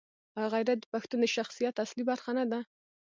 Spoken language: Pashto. آیا غیرت د پښتون د شخصیت اصلي برخه نه ده؟